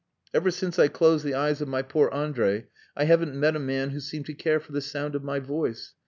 Ever since I closed the eyes of my poor Andrei I haven't met a man who seemed to care for the sound of my voice.